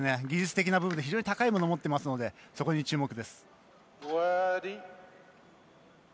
技術的な部分高い部分を持っていますのでそこに注目です。